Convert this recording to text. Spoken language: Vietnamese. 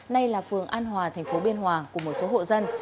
nay là phường an hòa tp biên hòa cùng một số hộ dân